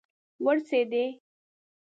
ورسیدي